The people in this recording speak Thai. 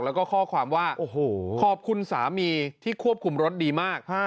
แล้วก็ข้อความว่าโอ้โหขอบคุณสามีที่ควบคุมรถดีมาก